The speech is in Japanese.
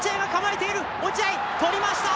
落合捕りました！